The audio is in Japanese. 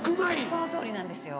そのとおりなんですよ。